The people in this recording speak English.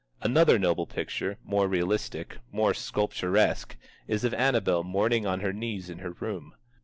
Another noble picture, more realistic, more sculpturesque, is of Annabel mourning on her knees in her room.